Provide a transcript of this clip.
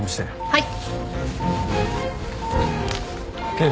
はい。